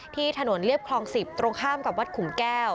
ที่ถนนเรียบคลอง๑๐ตรงข้ามกับวัดขุมแก้ว